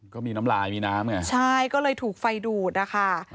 ก็มีน้ำลายมีน้ำไงใช่ก็เลยถูกไฟดูดนะคะ